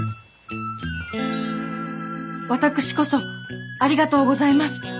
私こそありがとうございます。